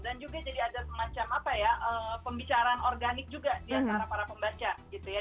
juga jadi ada semacam apa ya pembicaraan organik juga diantara para pembaca gitu ya